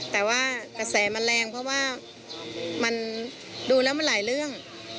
แต่ว่ากระแสมันแรงเพราะว่ามันดูแล้วมันหลายเรื่อง